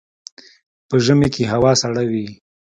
په ژمي کې هوا سړه وي